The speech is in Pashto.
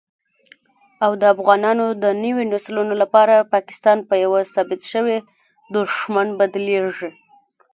او دافغانانو دنويو نسلونو لپاره پاکستان په يوه ثابت شوي دښمن بدليږي